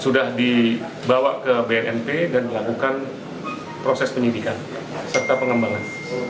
sudah dibawa ke bnp dan dilakukan proses penyidikan serta pengembangan